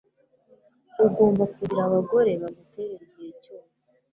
ugomba kugira abagore baguterera igihe cyose